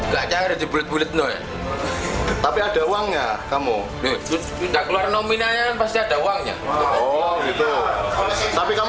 kepala penyelidikan menangkap pelaku di rumahnya